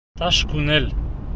Таш күңел!